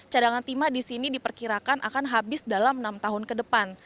cadangan timah di sini diperkirakan akan habis dalam enam tahun ke depan